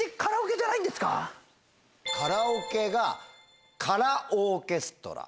カラオケが空オーケストラ。